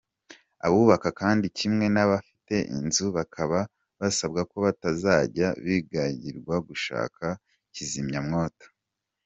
Abubaka kandi kimwe n’abafite inzu bakaba basabwa ko batazajya bibagirwa gushaka za kizamyamwoto.